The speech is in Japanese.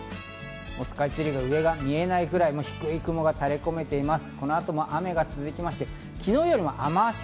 スカイツリー、上が見えないくらいの低い雲が垂れ込めています。